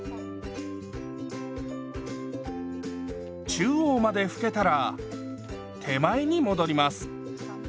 中央まで拭けたら手前に戻ります。